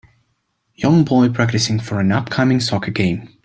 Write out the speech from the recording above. Young boy practicing for an upcoming soccer game.